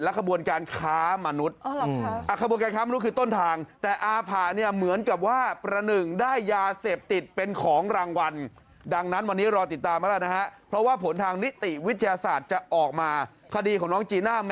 และขบวนการค้ามนุษย์ขบวนการค้ามนุษย์คือต้นทาง